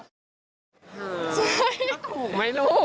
อะไรมันถูกหรือลูก